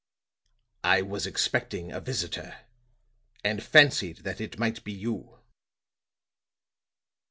"I was expecting a visitor, and fancied that it might be you."